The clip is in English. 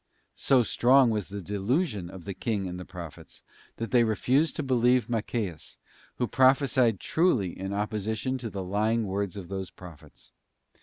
'* So strong was the delusion of the king and the prophets, that they refused to believe Micheas, who prophesied truly in opposition to the lying words of those prophets.